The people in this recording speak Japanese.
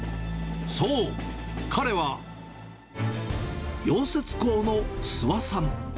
そう、彼は、溶接工の諏訪さん。